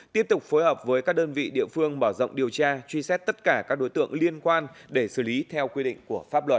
tiếp tục phối hợp với các đơn vị địa phương mở rộng điều tra truy xét tất cả các đối tượng liên quan để xử lý theo quy định của pháp luật